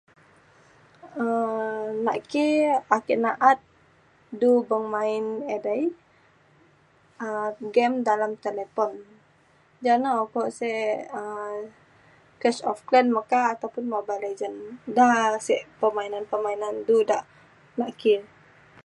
um nak ki ake na’at du beng main edei um game dalam telefon. ja na ukok sek um CashofClan meka ataupun MobileLegend. da sek permainan permainan du dak nak ki